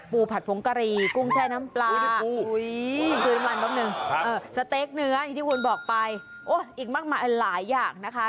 ปูผัดผงกะหรี่กุ้งแช่น้ำปลาสเต๊กเนื้ออีกมากมายหลายอย่างนะคะ